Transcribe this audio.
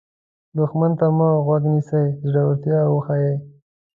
دښمن ته مه غوږ نیسه، زړورتیا وښیه